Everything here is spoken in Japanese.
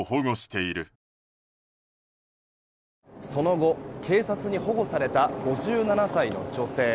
その後警察に保護された５７歳の女性。